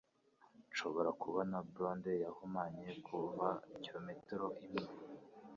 Nshobora kubona blonde yahumanye kuva kilometero imwe